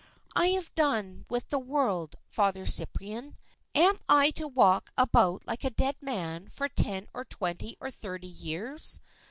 I have done with the world, Father Cyprian. Am I to walk about like a dead man for ten or twenty or thirty years?